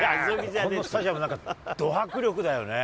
このスタジアム、なんか、ド迫力だよね。